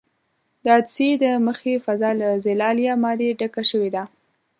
د عدسیې د مخې فضا له زلالیه مادې ډکه شوې ده.